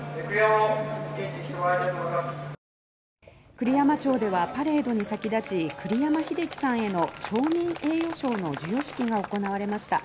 栗山町ではパレードに先立ち栗山英樹さんへの町民栄誉賞の授与式が行われました。